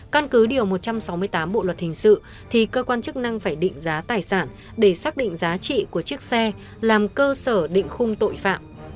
căn cứ điều một trăm sáu mươi tám bộ luật hình sự thì cơ quan chức năng phải định giá tài sản để xác định giá trị của chiếc xe làm cơ sở định khung tội phạm